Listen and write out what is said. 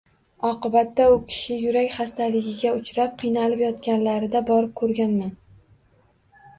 Oqibatda u kishi yurak xastaligiga uchrab, qiynalib yotganlarida borib ko`rganman